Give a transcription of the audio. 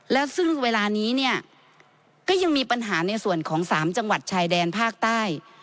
และซึ่งเวลานี้เนี่ยก็ยังมีปัญหาในส่วนของ๓จังหวัดชายแดนภาคใต้